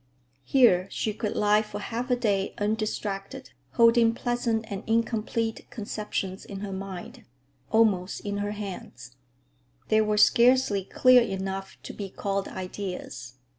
Here she could lie for half a day undistracted, holding pleasant and incomplete conceptions in her mind—almost in her hands. They were scarcely clear enough to be called ideas.